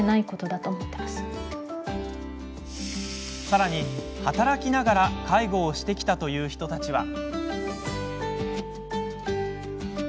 さらに、働きながら介護をしてきたという人たちは。